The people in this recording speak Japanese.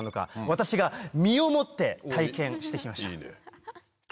私が身をもって体験して来ました。